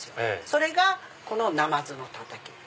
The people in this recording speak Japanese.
それがこのなまずのたたき。